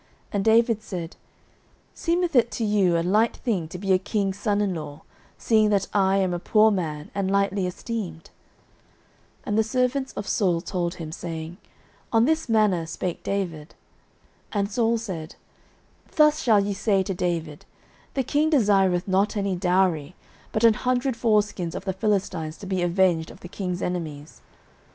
And David said, Seemeth it to you a light thing to be a king's son in law, seeing that I am a poor man, and lightly esteemed? 09:018:024 And the servants of Saul told him, saying, On this manner spake David. 09:018:025 And Saul said, Thus shall ye say to David, The king desireth not any dowry, but an hundred foreskins of the Philistines, to be avenged of the king's enemies.